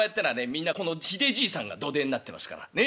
みんなこのひでじいさんが土台になってますから。ね？